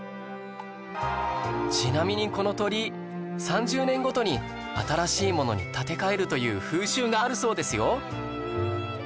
ちなみにこの鳥居３０年ごとに新しいものに建て替えるという風習があるそうですよ